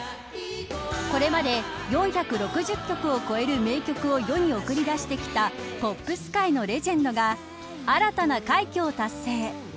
これまで４６０曲を超える名曲を世に送り出してきたポップス界のレジェンドが新たな快挙を達成。